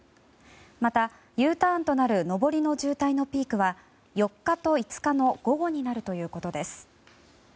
また、Ｕターンとなる上りの渋滞のピークは４日と５日の午後になるということです。